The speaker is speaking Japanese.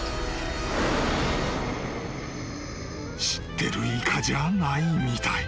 ［知ってるイカじゃないみたい］